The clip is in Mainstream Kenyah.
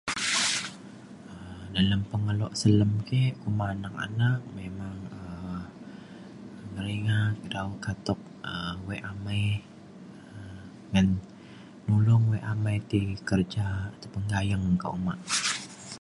um dalem pengelo selem ke kuma neng anak memang um ngelinga dau katuk um wek amei um ngan tulung wek amei ti kerja ataupun gayeng ka uma